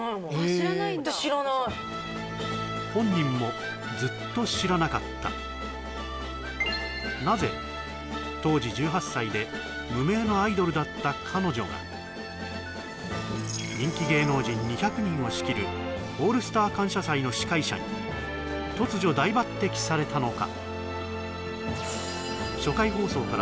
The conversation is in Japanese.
知らないんだ本人もずっと知らなかったなぜ当時１８歳で無名のアイドルだった彼女が人気芸能人２００人を仕切る「オールスター感謝祭」の司会者に突如大抜擢されたのか？